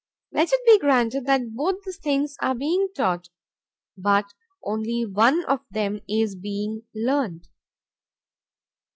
Let it be granted that both these things are being taught. But only one of them is being learned.